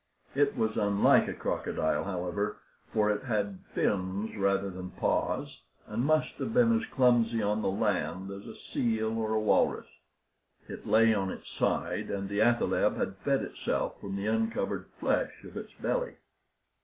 It was unlike a crocodile, however; for it had fins rather than paws, and must have been as clumsy on the land as a seal or a walrus. It lay on its side, and the athaleb had fed itself from the uncovered flesh of its belly.